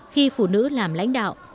khi phụ nữ làm lãnh đạo